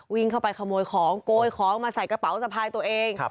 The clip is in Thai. วิ่งเข้าไปขโมยของโกยของมาใส่กระเป๋าสะพายตัวเอง